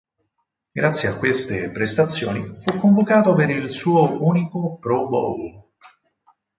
Grazie a queste prestazioni fu convocato per il suo unico Pro Bowl.